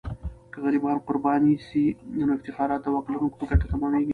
که غریبان قرباني سي، نو افتخارات د واک لرونکو په ګټه تمامیږي.